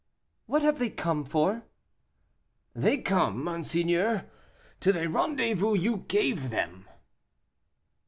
"What have they come for?" "They come, monseigneur, to the rendezvous you gave them."